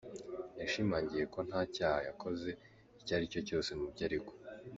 Yashimangiye ko nta cyaha yakoze icyo ari cyo cyose mu byo aregwa.